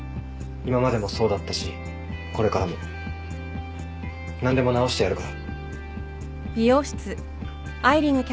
今までもそうだったしこれからも何でも直してやるから。